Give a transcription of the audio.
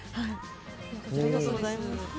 ありがとうございます。